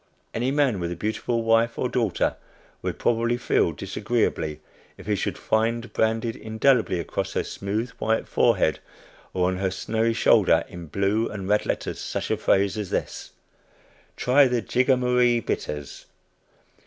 Any man with a beautiful wife or daughter would probably feel disagreeably, if he should find branded indelibly across her smooth white forehead, or on her snowy shoulder in blue and red letters such a phrase as this: "Try the Jigamaree Bitters!"